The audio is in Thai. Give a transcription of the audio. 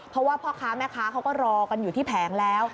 เพราะว่าพ่อค้าแม่ค้าเขาก็รอกันอยู่ที่แผงแล้ว